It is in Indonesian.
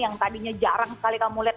yang tadinya jarang sekali kamu lihat